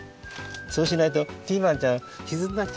そうしないとピーマンちゃんきずになっちゃうの。